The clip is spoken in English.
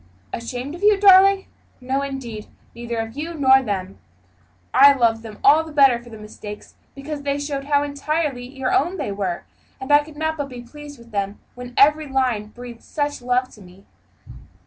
"Ashamed of you, darling? No, indeed, neither of you nor them. I loved them all the better for the mistakes, because they showed how entirely your own they were; and I could not but be pleased with them when every line breathed such love to me.